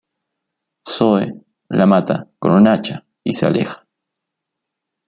Zoe la mata con un hacha y se aleja.